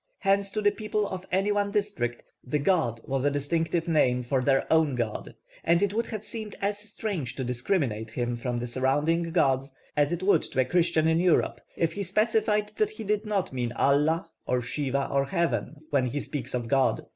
Hence to the people of any one district 'the god' was a distinctive name for their own god; and it would have seemed as strange to discriminate him from the surrounding gods, as it would to a Christian in Europe if he specified that he did not mean Allah or Siva or Heaven when he speaks of God.